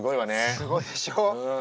すごいでしょ？